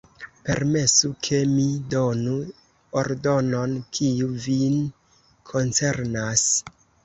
Permesu, ke mi donu ordonon, kiu vin koncernas.